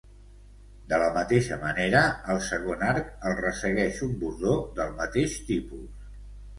De la mateixa manera, al segon arc el ressegueix un bordó del mateix tipus.